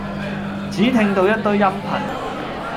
只聽到一堆音頻